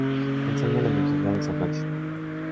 Enseña en la Universidad de San Francisco.